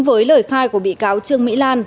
với lời khai của bị cáo trương mỹ lan